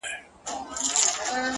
• يمه دي غلام سترگي راواړوه؛